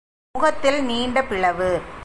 முகத்தில் நீண்ட பிளவு.